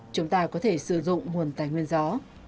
chúng ta có thể sử dụng nguồn tài nguyên gió